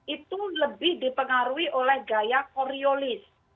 itu lebih dipengaruhi oleh gaya koriolis